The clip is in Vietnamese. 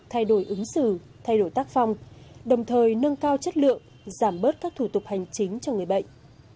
thay đổi ứng xử thay đổi tác phong đồng thời nâng cao chất lượng giảm bớt các thủ tục hành chính cho người bệnh